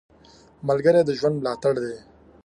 ملګری د ژوند ملاتړ دی